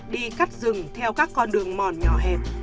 đi cắt rừng theo các con đường mòn nhỏ hẹp